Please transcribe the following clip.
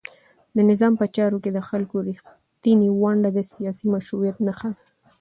د نظام په چارو کې د خلکو رښتینې ونډه د سیاسي مشروعیت نښه ده.